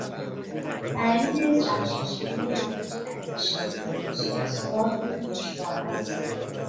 تعیین سرچشمهی یک اندیشهی بخصوص گاهی دشوار است.